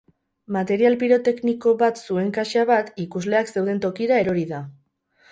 Material pirotekniko bat zuen kaxa bat ikusleak zeuden tokira erori da.